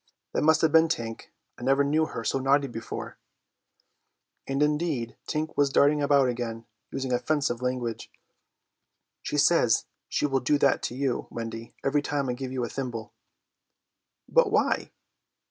"That must have been Tink. I never knew her so naughty before." And indeed Tink was darting about again, using offensive language. "She says she will do that to you, Wendy, every time I give you a thimble." "But why?"